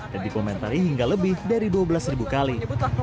dan dipomentari hingga lebih dari dua belas ribu kali